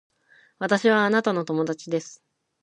私はあなたの友達です